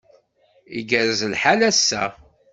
Igerrez lḥal ass-a.